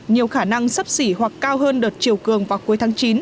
nhiều khả năng sắp xỉ hoặc cao hơn đợt triều cường vào cuối tháng chín